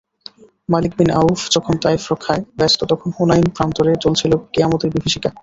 মালিক bin Awf যখন Taif রক্ষায় ব্যস্ত তখন হুনাইন প্রান্তরে চলছিল কিয়ামতের বিভীষিকা।